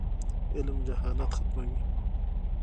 علم جهالت ختموي.